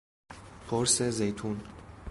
پرس زیتون